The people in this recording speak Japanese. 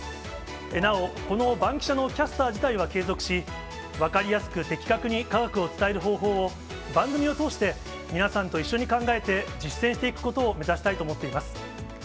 なお、このバンキシャのキャスター自体は継続し、分かりやすく的確に科学を伝える方法を、番組を通して皆さんと一緒に考えて、実践していくことを目指したいと思っています。